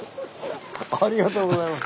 ありがとうございます。